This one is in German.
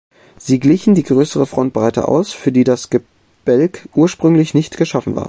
Sie glichen die größere Frontbreite aus, für die das Gebälk ursprünglich nicht geschaffen war.